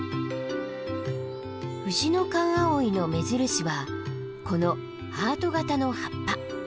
フジノカンアオイの目印はこのハート形の葉っぱ。